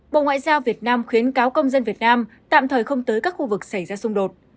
bộ ngoại giao việt nam khuyến cáo công dân việt nam tạm thời không tới các khu vực xảy ra xung đột